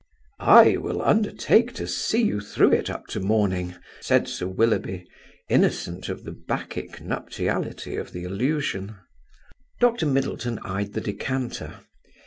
"I will undertake to sit you through it up to morning," said Sir Willoughby, innocent of the Bacchic nuptiality of the allusion. Dr Middleton eyed the decanter.